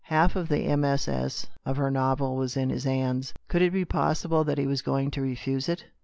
Half of the MS. of her novel was in his hands. Could it be possible that he was going to refuse it